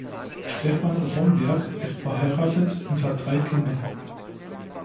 Stefan Romberg ist verheiratet und hat drei Kinder.